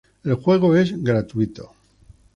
El juego es gratuito.